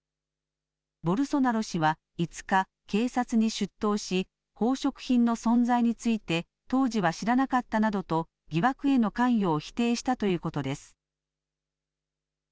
ボルソナロ氏は５日、警察に出頭し宝飾品の存在について当時は知らなかったなどと疑惑への関与を否定したということです。